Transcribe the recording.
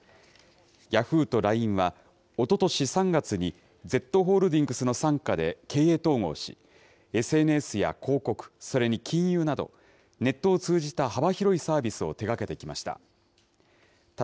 ヤフーとＬＩＮＥは、おととし３月にＺホールディングスの傘下で、経営統合し、ＳＮＳや広告、それに金融など、ネットを通じた幅広いサービスを手がけてきました。